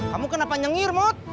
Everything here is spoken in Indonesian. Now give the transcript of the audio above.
kamu kenapa nyengir mut